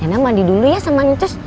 rena mandi dulu ya sama ncus